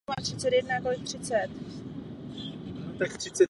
Později byly její ostatky přemístěny do Hadriánova mauzolea.